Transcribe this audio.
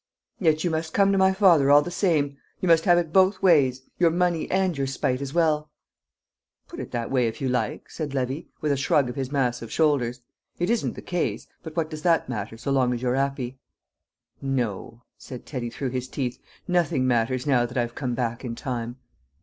"Yet you must come to my father all the same; you must have it both ways your money and your spite as well!" "Put it that way if you like," said Levy, with a shrug of his massive shoulders. "It isn't the case, but what does that matter so long as you're 'appy?" "No," said Teddy through his teeth; "nothing matters now that I've come back in time."